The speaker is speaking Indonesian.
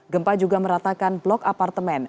gempa juga meratakan blok apartemen